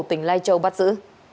tỉnh lai châu bắt giữ